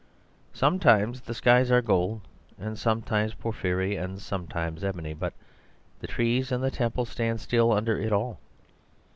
Sometimes the skies are gold and sometimes porphyry and sometimes ebony, but the trees and the temple stand still under it all.